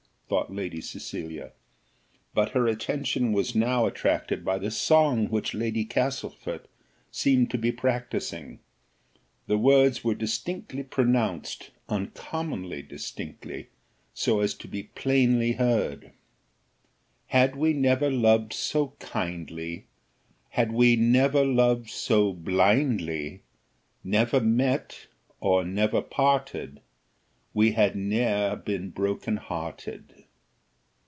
thought Lady Cecilia. But her attention was now attracted by the song which Lady Castlefort seemed to be practising; the words were distinctly pronounced, uncommonly distinctly, so as to be plainly heard "Had we never loved so kindly, Hail we never loved so blindly, Never met, or never parted. We had ne'er been broken hearted."